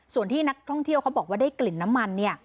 ส่วนที่นักท่องเที่ยวเขาบอกว่าได้กลิ่นน้ำมันเนี่ย